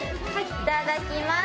いただきます。